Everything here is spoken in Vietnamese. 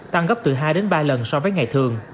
tăng gấp hai ba lần so với ngày thường